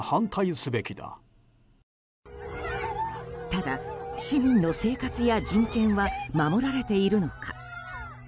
ただ、市民の生活や人権は守られているのか？